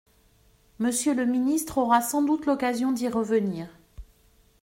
Monsieur le ministre aura sans doute l’occasion d’y revenir.